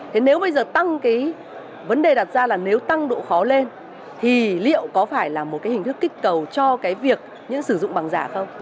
thế nếu bây giờ tăng cái vấn đề đặt ra là nếu tăng độ khó lên thì liệu có phải là một cái hình thức kích cầu cho cái việc những sử dụng bằng giả không